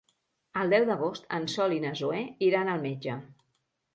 El deu d'agost en Sol i na Zoè iran al metge.